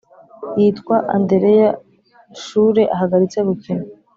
yitwa andereya shure ahagaritse gukina